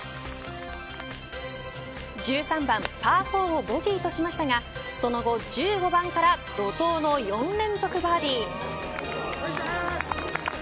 １３番パー４をボギーとしましたがその後１５番から怒涛の４連続バーディー。